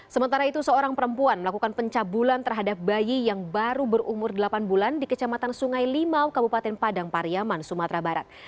sementara itu seorang perempuan melakukan pencabulan terhadap bayi yang baru berumur delapan bulan di kecamatan sungai limau kabupaten padang pariaman sumatera barat